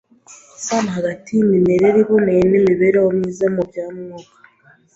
Isano hagati y’Imirire iboneye n’Imibereho myiza mu bya Mwuka